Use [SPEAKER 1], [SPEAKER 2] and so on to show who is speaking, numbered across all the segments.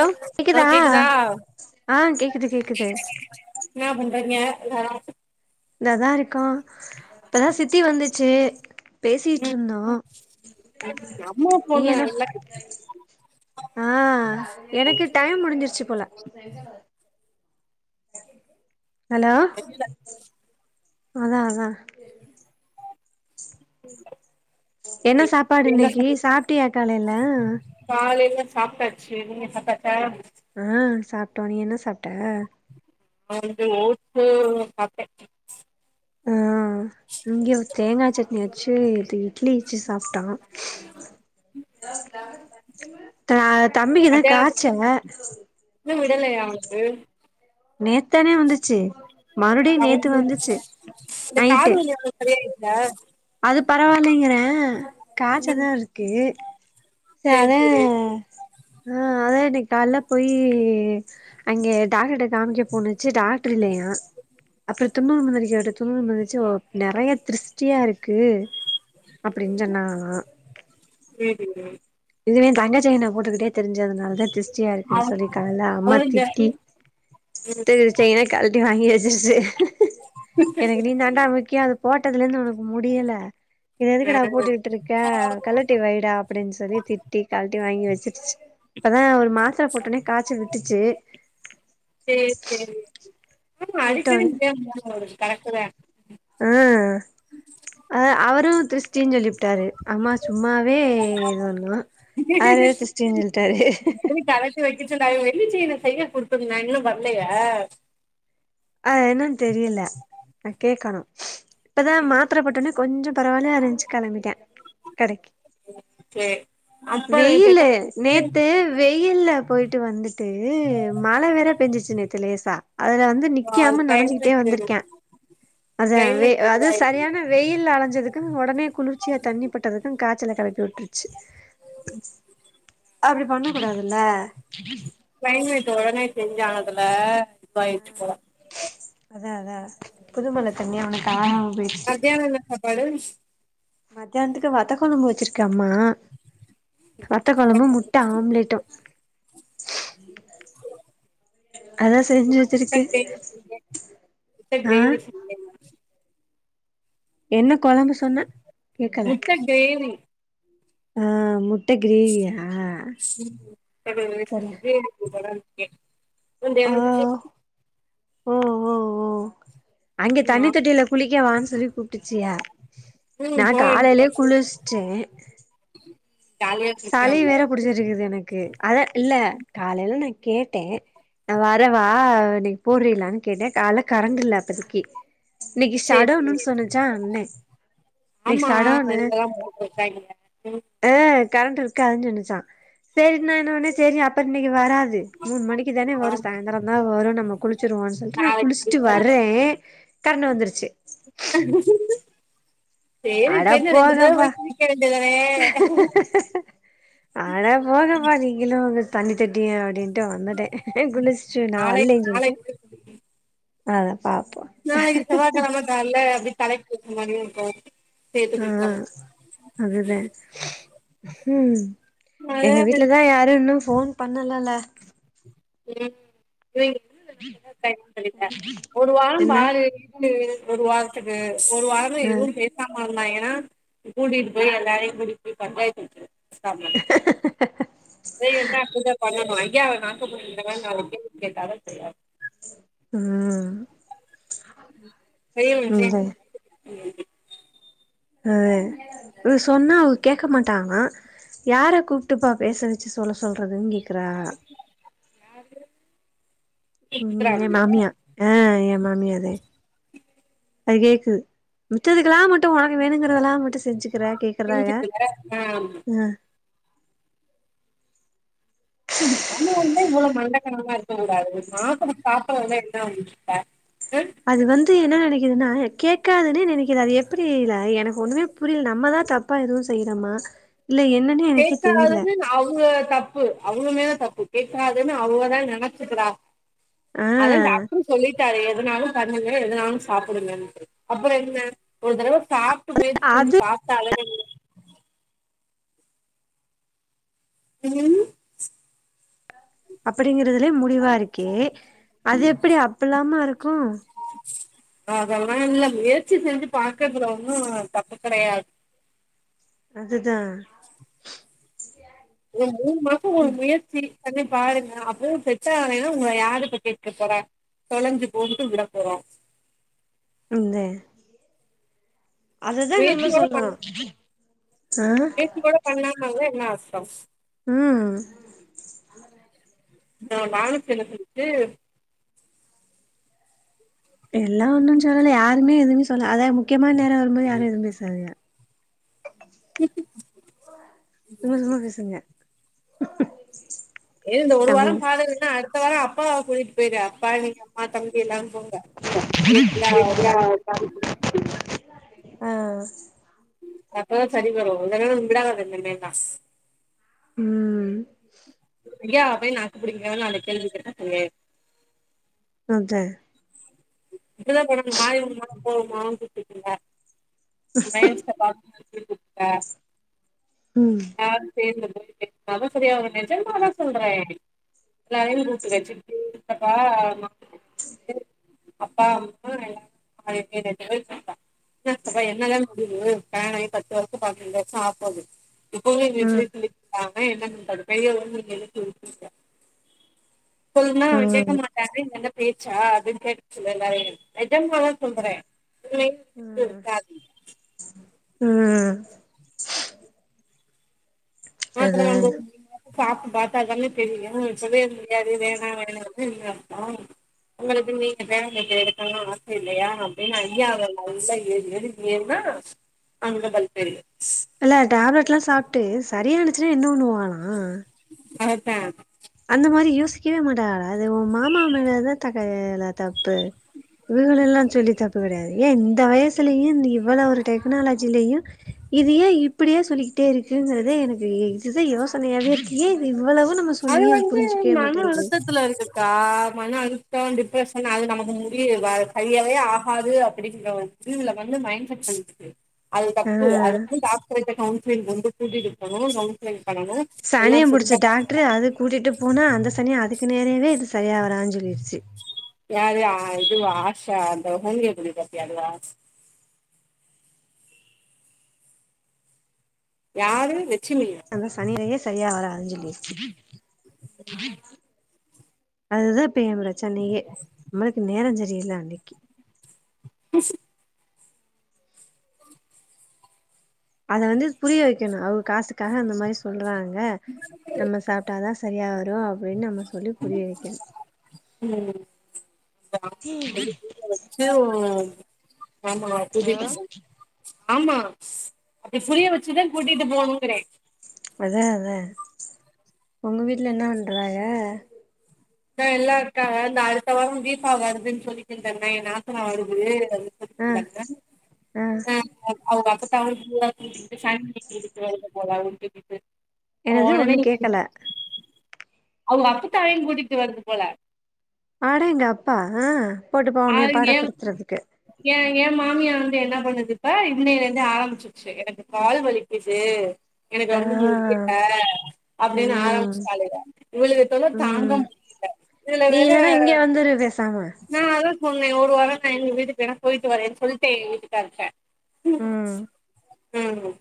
[SPEAKER 1] Hello கேக்குதா
[SPEAKER 2] ஆ கேக்குது கேக்குது
[SPEAKER 1] என்ன பண்றீங்க எல்லாரு
[SPEAKER 2] இதாதா இருக்கோ இப்பதா சித்தி வந்துச்சு
[SPEAKER 1] ம்
[SPEAKER 2] பேசிட்டிருந்தோ
[SPEAKER 1] அம்மா
[SPEAKER 2] நீ
[SPEAKER 1] போன்ல
[SPEAKER 2] என்ன
[SPEAKER 1] நல்லா
[SPEAKER 2] ஆ எனக்கு டைம் முடிஞ்சிருச்சு போல [unintelligible]
[SPEAKER 1] தெரியில
[SPEAKER 2] அதா அதா
[SPEAKER 1] உம்
[SPEAKER 2] என்ன சாப்பாடு இன்னைக்கு சாப்டியா காலேயில
[SPEAKER 1] சாப்டாச்சு நீங்க சாப்டாச்சா
[SPEAKER 2] ஆ சாப்டோ நீ என்ன சாப்ட
[SPEAKER 1] நா வந்து ஓட்ஸ் சாப்ட
[SPEAKER 2] ஆஹ் நங்க இ தேங்கா சட்னி வச்சு இது இட்லிச்ச சாப்ட்டான்
[SPEAKER 1] அதது இன்னும் விடலையா அவனுக்கு
[SPEAKER 2] நேத்தானே வந்துச்சு மறுபடியும் நேத்து
[SPEAKER 1] அவனுக்கு
[SPEAKER 2] வந்துச்சு நைட்டு
[SPEAKER 1] ஆஹ
[SPEAKER 2] அது பரவாயில்லைங்கிறேன்
[SPEAKER 1] ம்
[SPEAKER 2] காய்சதான் இருக்கு
[SPEAKER 1] சேரி சேரி
[SPEAKER 2] தரேன் ஆஹ் அதான் இன்னைக்கு கால போய் அங்கே டாக்டர்ிட்ட காமிக்க போணுச்சு டாக்டர் இல்லையா அப்புறம் துண்ணூறு மந்திருக்க துண்ணூறு மந்துருச்சு நிறைய திருஷ்டியா இருக்கு அப்படின்னு சொன்னா
[SPEAKER 1] ம்
[SPEAKER 2] இதுவே தங்கச்சை நான் போட்டுக்கிட்டே தெரிஞ்சதுனால தான் திஷ்டியா
[SPEAKER 1] அவ
[SPEAKER 2] இருக்குன்னு சொல்லி கலல அம்மா
[SPEAKER 1] அவனுங்க
[SPEAKER 2] திட்டி
[SPEAKER 1] ம்
[SPEAKER 2] தெரிஞ்சச்சைனா கழுட்ட வாங்கிச்ச எனக்கு நீ தாண்டா முக்கிய அது போஓட்டதுல இருந்து உனக்கு முடியல இது
[SPEAKER 1] ஆ
[SPEAKER 2] எதுக்கு நான் போட்டுட்டு இருக்கேன் கல்லட்டி வைடா அப்படின்னு சொல்லி திட்டி கழட்டி வாங்கி வச்சிருச்சு இப்பதான் ஒரு மாத்திர போட்டோடனே காய்ச்ச விட்டுச்சு
[SPEAKER 1] சரி சரி ஆஹ அதுக்கரி
[SPEAKER 2] விட்டோனே
[SPEAKER 1] ந கடக்குத
[SPEAKER 2] அ அத அவரு திரிஷ்டின் சொல்லிப்புட்டாரு அம்மா சும்மாவே இது பண்ணு அதுல
[SPEAKER 1] கரெக்ட்டுதா
[SPEAKER 2] திருஷ்டின் சொல் ட்டாரு
[SPEAKER 1] [unintelligible] கலட்டி வைக்க சொன்னாரு வெள்ளிச் செயின செய்ய குடுத்துருந்தாங்க இன்னு வரலையா
[SPEAKER 2] அது என்னன்னு தெரியல நா கேட்கணு இப்பதா மாத்தரப்போட்டோன கொஞ்சோ பரவால்ல அரஞ்ச்சு கெளம்பிட்டே கடைக்கி
[SPEAKER 1] செரி அப்பா
[SPEAKER 2] வெயிலு
[SPEAKER 1] வீட்டுக்கா [unintelligible]
[SPEAKER 2] நேத்து வெயில்ல போயிட்டு வந்துட்டு ட்டு மழ வெற பெஞ்சிருச்சு நேத்து லேசா அதுல வந்து நீ
[SPEAKER 1] ஆ
[SPEAKER 2] நிக்காம நனஞ்சிக்கிட்டே
[SPEAKER 1] கிளைமேட்டு
[SPEAKER 2] வந்துருக்கே அதா
[SPEAKER 1] கிளைமேட்
[SPEAKER 2] அது
[SPEAKER 1] இதுவாயிடுச்சு
[SPEAKER 2] சரியான வெயில்ல அலஞ்சதுக் கு ஒடனே குளிர்ச்சியா தண்ணிப்பட்டதுக்கு காய்ச்சல களப்பி உட்டுருச்சு அப்படி பண்ண கூடாதுல்ல
[SPEAKER 1] கிளைமேட்டு ஒடனே சேஞ்சானதுல இதுவாயிட்டு போல
[SPEAKER 2] அதா அதா புது மழ தண்ணி அவனக்கு ஆவ்
[SPEAKER 1] மத்தியானோ என்ன சாப்பாடு
[SPEAKER 2] மத்தியானத்துக்கு வத்த குழம்பு வச்சிருக்கு அம்மா வத்த குழம்பு முட்ட ஆம்லெட்டும் அதா செஞ்சு வெச்சிருக்கு
[SPEAKER 1] முட்ட
[SPEAKER 2] அ
[SPEAKER 1] கிரேவி செஞ்சே
[SPEAKER 2] என்ன குழம்பு சொன்ன
[SPEAKER 1] முட்ட கிரேவி
[SPEAKER 2] அ முட்
[SPEAKER 1] முட்ட கிரேவி
[SPEAKER 2] சரி
[SPEAKER 1] செஞ்சு சூப்பராருந் எ கொஞ்சோ
[SPEAKER 2] ஓ
[SPEAKER 1] எனக்கு போ
[SPEAKER 2] ஓ ஓ ஓ அங்கே தண்ணி தொட்டில குளிக்க வான்னு சொல்லி கூப்ட்டிச்சிக நா
[SPEAKER 1] ம் போக வேண்டியது
[SPEAKER 2] காலையிலயே
[SPEAKER 1] தானே
[SPEAKER 2] குளிச்ட்டே
[SPEAKER 1] ஜாலியா
[SPEAKER 2] சளி
[SPEAKER 1] இருந்துக்கலாம்ல
[SPEAKER 2] வேற புடிச்சிருக்குது எனக்கு அத இல்ல காலேயில எனக் கேட்டே நா வரவா இன்னைக்கி போறேலான்னு கேட்டே கால்ல கரண்ட் இல்ல அப்பதிக்கி இன்னைக்கி
[SPEAKER 1] சேரி சேரி
[SPEAKER 2] ஷட்டவுன்னு சொன்னுச்சா அண்ணை இன்னைக்கி
[SPEAKER 1] ஆமா
[SPEAKER 2] ஷட்டவுனு
[SPEAKER 1] இதெல்லாம் போட்ருக்காய்ங்க. ம்
[SPEAKER 2] அ கரண்ட் இருக்காது நெனைச்சோ சேரின் நா என்ன பண்ண சேரி அப்பற நீக் இங்க வராது மூணு மணிக்கு தானே வரு
[SPEAKER 1] ஆமா
[SPEAKER 2] சாய்ந்தரோ தா வரு நம்ம குளிச்சிருவோம்னு சொல்லிட்டு நா
[SPEAKER 1] நாளைக்கு
[SPEAKER 2] குளிச்சுட்டு வர்றே கரண்டு வந்துருச்சு
[SPEAKER 1] சேரி
[SPEAKER 2] அட
[SPEAKER 1] இப்ப என்ன ரெண்டு தடவ
[SPEAKER 2] போங்கப்பா
[SPEAKER 1] போய் குளிக்க வேண்டியதானே
[SPEAKER 2] அட போங்கப்பா நீங்களு உங்க தண்ணி தேடியா அப்படின்ட்டு வந்துட்டே குனிச்சிட்டு நா
[SPEAKER 1] நாளைக்கு
[SPEAKER 2] வல்லே சொல்லிட்டு ஆ
[SPEAKER 1] நா இனி செவ்வா கிழம கால அப்டி தலைக்கு மதியோ போ
[SPEAKER 2] ஆ அதுதே ம்
[SPEAKER 1] அதா
[SPEAKER 2] எங்க
[SPEAKER 1] என்ன
[SPEAKER 2] வீட்லதா
[SPEAKER 1] பண்றது
[SPEAKER 2] யாரு இன்னு ஃபோன் பண்ணலல
[SPEAKER 1] ம் [unintelligible] ஒரு வார
[SPEAKER 2] என்ன
[SPEAKER 1] பாரு இரு ஒரு வாரத்துக்கு ஒரு வாரோ
[SPEAKER 2] ஆ
[SPEAKER 1] எதுவு பேசாம ஒன்னைய கூட்டிட்டு போய் எல்லாரையு கூட்டிட்டு போயி கட்டாயப்படுத்தல ஸ் ப்ராப்ளம் ட்ரை என்ன [unintelligible] பா நம்ம ஐயாவ நாக்கப்புடுங்ர மாரி நாலு கேள்வி கேட்டாதா சரி ஆகு
[SPEAKER 2] ம்
[SPEAKER 1] செரி உச்சி
[SPEAKER 2] இந்த அ இது சொன்னா அவுக கேக்க மாட்டாங்க யார கூப்ட்டுப்பா பேச வச்சு சொல்ல சொல் றதுங்கேக்ற
[SPEAKER 1] யாரு
[SPEAKER 2] ம் ஏ மாமியா அ ஏ மா மியாத அது கேக்குது மிச்சதுக்லா ம ட்டு உனங்க வேணுங்கிறதெல்லா மட்டு செஞ்சுக்ற கேக்குறாக
[SPEAKER 1] செஞ்சுட்டுல ஆ
[SPEAKER 2] அ
[SPEAKER 1] ம் மாமாவுமே இவ்ளோ மண்டகனமா இருக்க கூடாது மாசோ ஸ்டார்ட் ஆனா என்ன வந்துச்ச
[SPEAKER 2] அது வந்து என்ன நெனைக்குதுன்னா கேக்காதுன்னே நெனைக்குது அது எப்டி ல எனக்கு ஒன்னுமே புரியல நம்மதா தப்பா எது செய்றோமா
[SPEAKER 1] கேக்காதுனுன் அவுக தப்பு அவுங்க மேல தப்பு கேட்காதுன்னு அவுங்கதா நெனச்சுக்றா
[SPEAKER 2] ஆ
[SPEAKER 1] அதா டாக்ட்ரு சொல்லி க்காரு எதுனாலு பண்ணுங்க எதுனாலு சாப்டுங்கனு அப்ரோ என்ன ஒரு தடவ சாப் ட்டு முயற்சி செஞ்சு
[SPEAKER 2] அது
[SPEAKER 1] பாத்தால நம்மளு ம்
[SPEAKER 2] அப்படிங்றதுலே முடிவா இருக்கே அது எப்டி அப்லாம இ கூ
[SPEAKER 1] அதல்லா இல்ல முயற்சி செஞ்சு பாக்ளதுல ஒன்னூ தப்பு கெடையாத்
[SPEAKER 2] அதுதா
[SPEAKER 1] ஓ மூணு மாசோ ஓ முயற்சி பண்ணி பாருங்க அப்பவூ செட்டாகுலன்னா உங்கள யாருப்ப கேக்க போறா தொலஞ்சு போகட்டூ விட போறோ
[SPEAKER 2] அந்த
[SPEAKER 1] முயற்சியோட பண்
[SPEAKER 2] ஆ
[SPEAKER 1] முயற்சி கூட பண்ணாமருந்தா என்ன அர் ஸ்டஃப்
[SPEAKER 2] ம்
[SPEAKER 1] நா வானத்துல [unintelligible]
[SPEAKER 2] எல்லா ஒன்னூ சொல்லல யாருமே எதுமே சொல்லல அதா க்யமான நேரோ வரும்போது யாரூ எதூமே சொல்ல சும்மா சும்மா பேசுங்க ஹி ஹி ம்
[SPEAKER 1] ஏ இந்த ஒரு வாரோ பாருங்கன்னா அடுத்த வாரோ அப் பாவ கூட்டிகிட்டு போயிரு அப்பா நீங் அம்மா தம்பி எல்லாம்
[SPEAKER 2] [inaudible] ஆ
[SPEAKER 1] அப்பதா செரி வரூ இல்லனா [unintelligible]
[SPEAKER 2] ம்
[SPEAKER 1] ஐயா போய் நாக்கு பிடிக்கிறமா நாலு கேள்வி கேக்க சொன்னே
[SPEAKER 2] அந்த
[SPEAKER 1] [inaudible] மைண்ட்ஸ பாத்துட்டு இருப்ப ஆ சேந்துருக் அது செரியா வரூ நெஜமா தா சொல்றே எல்லாரையூ கூட்டு வச்சு [inaudible] ப என்னால்லே முடிலயே கல்யாணோ ஆயி பத்து வருஷோ பதனஞ்சு வருஷோ ஆப்போது இப்போமே [inaudible] [inaudible] சொல்னா அவரு ஜெய்க்கமாட்டாருன் நெனப் பேச்சா அது கேட்டு சொல்லே நெஜமா தா சொல்றே [inaudible]
[SPEAKER 2] ம்
[SPEAKER 1] ஆத்தர வந்து உந்திங்க சாப்டு பாத்தா தானே தெரியூ இப்பவே முடியாது வேணா விடுனு என்ன அர்த்தோ உங்களுக்கு நீங்க பேரம்பேத்தி எடுக்கணூனு ஆசல்லையா அப்டின்னு ஐயா அவ நல்லா ஏறு ஏறுன் ஏறுனா அங்கதா தெரியூ
[SPEAKER 2] இல்ல டேப்லெட் எல்லாம் சாப்பிட்டு சரியானுச்சுன்னா என்ன ஒண்ணு வாகலாம்
[SPEAKER 1] அதா
[SPEAKER 2] அந்த மாரி யோசிக்கவே மாட்டடா அது ஒ மாமா மேலதா தக்காயல தப்பு இவுகள எல்லா சொல்லி தப்ப கடையாது ஏ இந்த வயசுலயு இவ்வளவு ஒரு டெக்னாலஜிலயு இது ஏ இப்புடியே சொல்லிக்கிட்டே இருக்குங்கறத எனக்கு இதுதா யோசனையாவே இருக்கு இது இவ்வளவு நம்ம
[SPEAKER 1] அது
[SPEAKER 2] சொல்லியு
[SPEAKER 1] வந்து
[SPEAKER 2] புரிஞ்சுக்கவே
[SPEAKER 1] மன
[SPEAKER 2] மாட்டேங்குது
[SPEAKER 1] அழுத்தத்துல இருக்குக்கா மனம் அழிதோ டிப்ரஷன் அது நமக்கு முடி ஹையவே ஆகாது அப்டிங்கிற ஒரு பிரிவுல வந்து மைண்ட் செட் வந்ட்டுக்கு அது தப்பு அது
[SPEAKER 2] ஆ
[SPEAKER 1] வந்து டாக்ட்ரே கேட்ட ஃபீல் வந்து கூட்டி போனு சவுத்ளைன் பண்ணனு எல்லா
[SPEAKER 2] சனிய புடிச்ச
[SPEAKER 1] சரிதா
[SPEAKER 2] டாக்டரு
[SPEAKER 1] பாக்கணு
[SPEAKER 2] அது கூட்டிட்டு போனா அந்த சனிய அதுக்கு நேரவே இது சரியா வராதுன் சொல்லிடுச்சு
[SPEAKER 1] யாரு இது ஆஷா அந்த ஹொம்யோபதி பாத்யே அதுவா யாரு லட்சுமியா
[SPEAKER 2] அந்த சனிலயே சரியா வராது அதுதா ப்ப ஏ ப்ரச்சனையே நம்மளுக்கு நேரம் சர் ஜேல அன்னைக்கி அத வந்து புரிய வைக்கணும் அவங்க காசுக் காக அந்த மாரி சொல்றாங்க நம்ம சாப்ட்டாதா ஸ் சரியாவ டோ அப்புடின் நம்ம சொல்லி புரிய வைக்கணு
[SPEAKER 1] ம்
[SPEAKER 2] ம்
[SPEAKER 1] புரிய வச்சு [unintelligible] ஆமா அப்புடி புரிய வச்சுதா கூட்டிட்டு போணுங்குறேன்
[SPEAKER 2] அதா அதா உங்க வீட்ல என்ன பண்றாங்க
[SPEAKER 1] இந்தா எல்லா இருக்காக இந்த அடுத்த வாரம் தீபா வருதுன்னு சொல்லிட்டுருந்தாங்னா என் நாத்தனா வருது அப்டின்னு
[SPEAKER 2] அ
[SPEAKER 1] சொல்லிக்கிருந்தாங்க
[SPEAKER 2] அ
[SPEAKER 1] ஆ [unintelligible]
[SPEAKER 2] என்னது ஒண்ணும் கேக்கல
[SPEAKER 1] அவுங்க அப்பத்தாவயுங் கூட்டிட் டு வருது போல
[SPEAKER 2] ஆடேங்கப்பா ஆ போட்டு போவுனே பாடாப்படுத்துறதுக்கு
[SPEAKER 1] எ மாமியா வந்து என்ன பண்ணுது இப்ப இன்னையில இருந்து ஆரம்பிச்சிச்சு எனக்கு கால் வலிக்குது எனக்கு
[SPEAKER 2] ஆ
[SPEAKER 1] ரொம்ப முடியல அப்டின்னு
[SPEAKER 2] ம்
[SPEAKER 1] ஆரம்பிச்சிட்டாளுக இவுளுக தொல்ல தாங்க
[SPEAKER 2] ம்
[SPEAKER 1] முடியல இதுல
[SPEAKER 2] நீ
[SPEAKER 1] வேற
[SPEAKER 2] இல்லன்னா இங்க வந்துரு பேசாம
[SPEAKER 1] நா அதா ன்ன ஒரு வார நா எங்க வீட்டுக்கு வேனா போயிட்டு வரேன் சொல்ட்ட எ வீட்டுக்காரர்ட்ட ம் ம்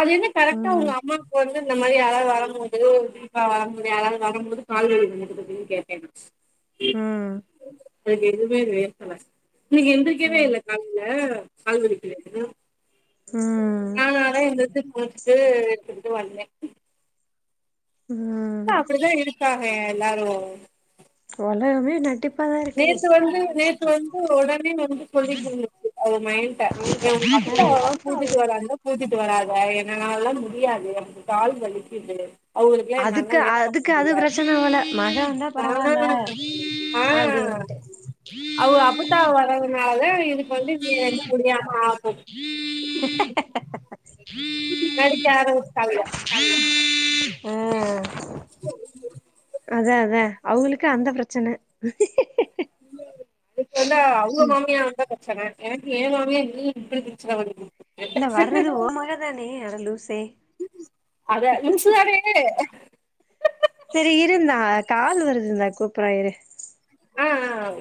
[SPEAKER 1] அது என்ன கரெட்டா உங்க
[SPEAKER 2] ம்
[SPEAKER 1] அம்மாக்கு வரு இந்த மாரி யாராத் வரம்போது ஆ யாராது வரும் போது கால்வலி [unintelligible] கேட்டே
[SPEAKER 2] ம்
[SPEAKER 1] எனக்கெதுமே வே [unintelligible] நீங்க எந்ரிக்கவே
[SPEAKER 2] ம்
[SPEAKER 1] இல்ல காலைலே கால்வலிக்கல
[SPEAKER 2] உம்
[SPEAKER 1] இது எடுத்துகிட்டு வந்தெ
[SPEAKER 2] ம்
[SPEAKER 1] காக எல்லாரு
[SPEAKER 2] ஒலகமே நடிப்
[SPEAKER 1] நேத்து வந்து நேத்து வந்து ஒடனே வந்து சொல்லி [unintelligible] அது மைண்ட இவங் வந்துட்டா பூஜைக்கு வராங்க பூஜை வராத என்னனாலா முடியாது கால் வலிக்கிது
[SPEAKER 2] அதுக்கு அதுக்கு அது பிரச்சன போல மக சொன்னா
[SPEAKER 1] ஆனா
[SPEAKER 2] பரவால்ல
[SPEAKER 1] ஆ
[SPEAKER 2] அப்டின்ட்டு
[SPEAKER 1] அதா இதுக் கு வந்து [unintelligible] முடியாம ஆகுது நடிக்க ஆரம்பிச்டாங்க
[SPEAKER 2] ஆ அதா அதா அவுங்களுக்கு அந்த பிரச்சன
[SPEAKER 1] அதுக்கு வந்து அவுங்க
[SPEAKER 2] ம்
[SPEAKER 1] மாமியா வந்தா பிரச்சன எனக்கு ஏ மாமியா இல் இப்டி பிரச்சன வருது
[SPEAKER 2] இல்ல வர்றது ஓ மக தானே அட லூசே
[SPEAKER 1] அத லூசுதானே
[SPEAKER 2] செரி இருந்தா கால் வருதுந்தா கூப்புற இரு
[SPEAKER 1] ஆஹ்